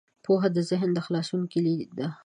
پوهه د ذهن د خلاصون کلید دی.